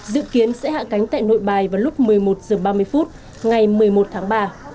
dự kiến sẽ hạ cánh tại nội bài vào lúc một mươi một h ba mươi phút ngày một mươi một tháng ba